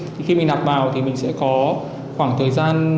thì khi mình nạp vào thì mình sẽ có khoảng thời gian